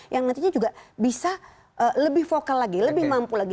yang nantinya juga bisa lebih vokal lagi lebih mampu lagi